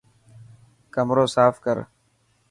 ڪمرو ساف ڪر.